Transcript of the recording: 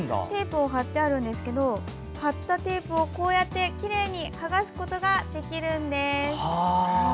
テープを貼ってあるんですけど貼ったテープをきれいにはがすことができるんです。